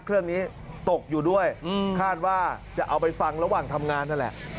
เครื่องนี้ตกอยู่ด้วยคาดว่าจะเอาไปฟังระหว่างทำงานนั่นแหละ